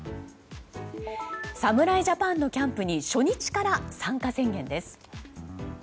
侍ジャパンのキャンプに初日から参加宣言です。